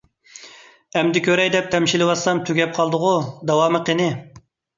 ئەمدى كۆرەي دەپ تەمشىلىۋاتسام، تۈگەپ قالدىغۇ. داۋامى قېنى؟